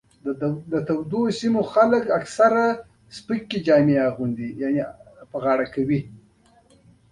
د تودو سیمو خلک عموماً سپکې جامې اغوندي.